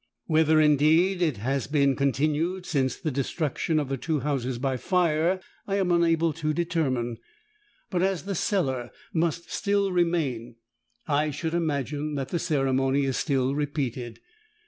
Whether indeed it has been continued since the destruction of the two houses by fire, I am unable to determine; but as the cellar must still remain, I should imagine that the ceremony is still repeated.